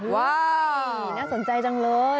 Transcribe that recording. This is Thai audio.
น่าสนใจจังเลย